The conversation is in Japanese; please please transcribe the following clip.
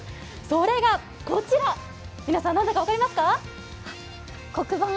それがこちら、皆さん、何だか分かりますか？